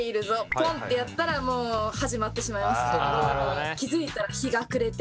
ポンってやったらもう始まってしまいますね。